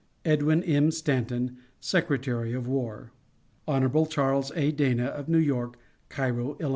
EDWIN M. STANTON, Secretary of War. Hon. CHARLES A. DANA, of New York, Cairo, Ill.